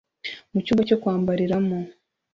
mucyumba cyo kwambariramo